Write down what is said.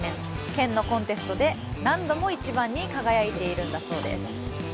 県のコンテストで何度も１番に輝いているんだそうです。